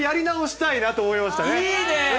いいね！